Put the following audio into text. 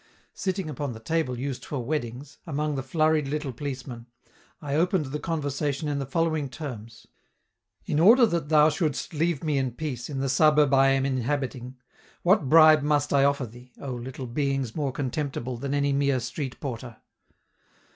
Sitting upon the table used for weddings, among the flurried little policemen, I opened the conversation in the following terms: "In order that thou shouldst leave me in peace in the suburb I am inhabiting, what bribe must I offer thee, oh, little beings more contemptible than any mere street porter?"